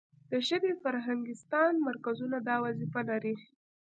د ژبې فرهنګستان مرکزونه دا وظیفه لري.